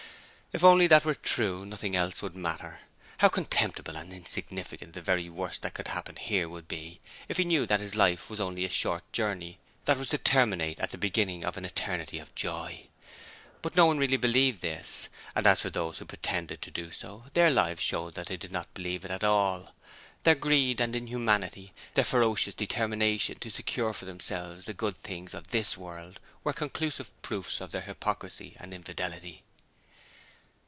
If only that were true, nothing else would matter. How contemptible and insignificant the very worst that could happen here would be if one knew that this life was only a short journey that was to terminate at the beginning of an eternity of joy? But no one really believed this; and as for those who pretended to do so their lives showed that they did not believe it at all. Their greed and inhumanity their ferocious determination to secure for themselves the good things of THIS world were conclusive proofs of their hypocrisy and infidelity.